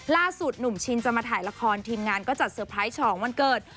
ล่าสุดหนุ่มชินจะมาถ่ายละครทีมงานก็จัดเตอร์ไพรส์ฉองวันเกิด